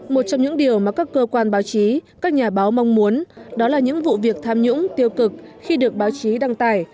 một trong những điều mà các cơ quan báo chí các nhà báo mong muốn đó là những vụ việc tham nhũng tiêu cực khi được báo chí đăng tải